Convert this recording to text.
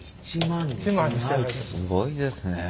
すごいですね。